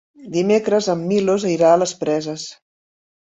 Dimecres en Milos irà a les Preses.